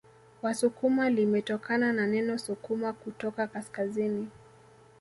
Wasukuma limetokana na neno sukuma kutoka kaskazini